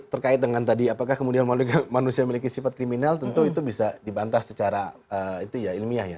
terkait dengan tadi apakah kemudian manusia memiliki sifat kriminal tentu itu bisa dibantah secara ilmiah ya